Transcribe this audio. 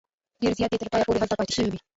ډېر زیات یې تر پایه پورې هلته پاته شوي وي.